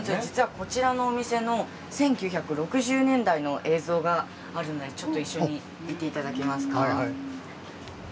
こちらのお店の１９６０年代の映像があるので一緒に見ていただけますか。